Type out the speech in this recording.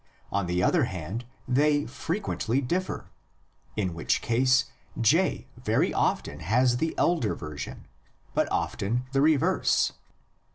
On the other hand, they frequently differ, in which case J very often has the elder version, but often the reverse.